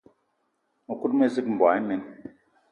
Mëkudgë mezig, mboigi imen